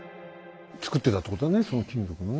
作ってたってことだねその金属のね。